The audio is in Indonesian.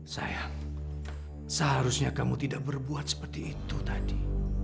sayang seharusnya kamu tidak berbuat seperti itu tadi